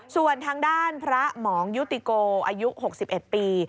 ส่วนทางด้านพระหมองยุติโกอายุ๖๑ปี